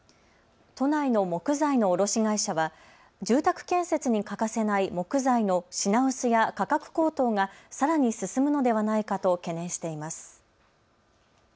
都内の木材の卸会社は住宅建設に欠かせない木材の品薄や価格高騰がさらに進むのではないかと懸念しています。